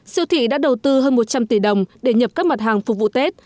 siêu thị đã đầu tư hơn một trăm linh tỷ đồng để nhập các mặt hàng phục vụ tết